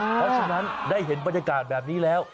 เพราะฉะนั้นได้เห็นบรรยากาศแบบนี้แล้ว